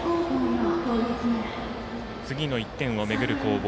次の１点を巡る攻防。